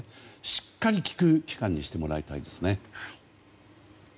しっかり聞く期間にしてもらいたいですね。